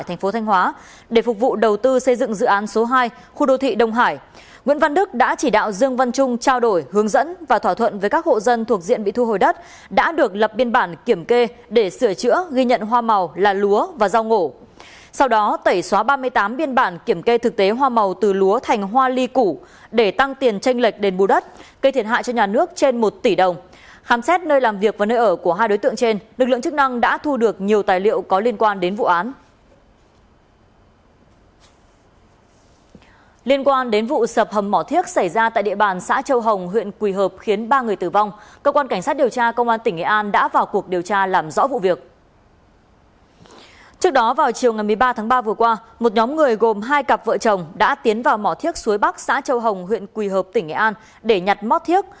ba tháng ba vừa qua một nhóm người gồm hai cặp vợ chồng đã tiến vào mỏ thiếc suối bắc xã châu hồng huyện quỳ hợp tỉnh nghệ an để nhặt mót thiếc